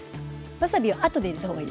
わさびは後で入れた方がいいです。